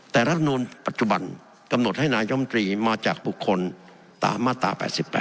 แต่รัฐมนูลปัจจุบันกำหนดให้นายมตรีมาจากบุคคลตามมาตรา๘๘